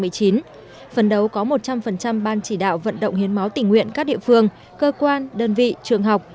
phần đấu có một trăm linh ban chỉ đạo vận động hiến máu tỉnh nguyện các địa phương cơ quan đơn vị trường học